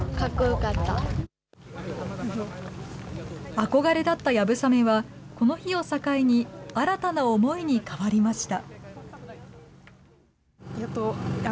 憧れだったやぶさめは、この日を境に新たな思いに変わりました。